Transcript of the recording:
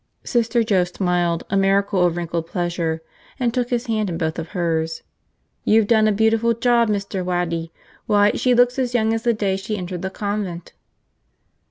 Sister Joe smiled, a miracle of wrinkled pleasure, and took his hand in both of hers. "You've done a beautiful job, Mr. Waddy. Why, she looks as young as the day she entered the convent!"